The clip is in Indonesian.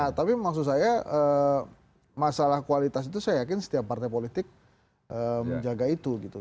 nah tapi maksud saya masalah kualitas itu saya yakin setiap partai politik menjaga itu gitu